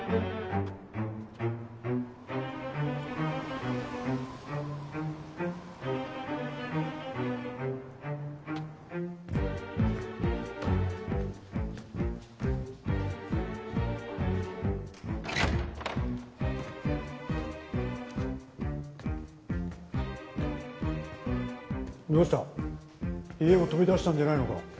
家を飛び出したんじゃないのか？